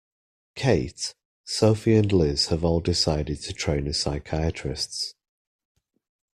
Kate, Sophie and Liz have all decided to train as psychiatrists.